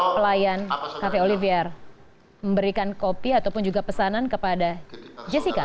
pelayan cafe olivier memberikan kopi ataupun juga pesanan kepada jessica